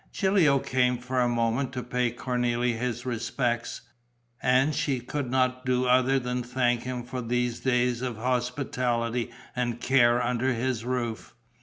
Gilio came for a moment to pay Cornélie his respects; and she could not do other than thank him for these days of hospitality and care under his roof.